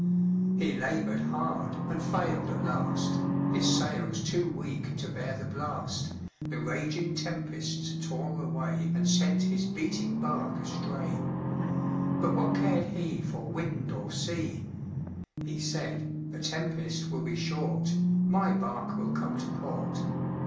He labored hard and failed at last, His sails too weak to bear the blast, The raging tempests tore away And sent his beating bark astray. But what cared he For wind or sea! He said, "The tempest will be short, My bark will come to port."